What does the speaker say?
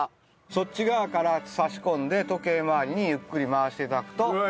そっち側から挿し込んで時計回りにゆっくり回して頂くと。